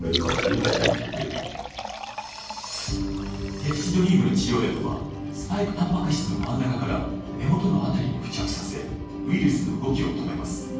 ペプチドリームの治療薬はスパイクタンパク質の真ん中から根元のあたりに付着させウイルスの動きを止めます。